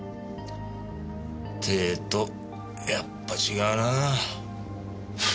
ってえとやっぱ違うなぁ。